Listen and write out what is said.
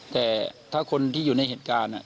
แต่ถ้าคนที่อยู่ในเหตุการณ์